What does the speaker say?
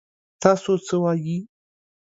تاسو څه وايي ؟